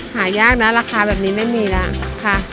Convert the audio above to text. หายากนะราคาแบบนี้ไม่มีนะ